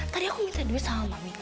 tadi aku minta duit sama mami